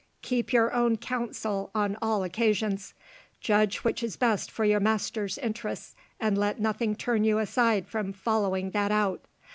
Keep your own counsel on all occasions. Judge which is best for your master's interests, and let nothing turn you aside from following that out.